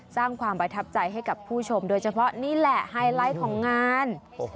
สร้างความประทับใจให้กับผู้ชมโดยเฉพาะนี่แหละไฮไลท์ของงาน